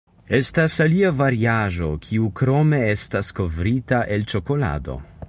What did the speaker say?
Estas alia variaĵo kiu krome estas kovrita el ĉokolado.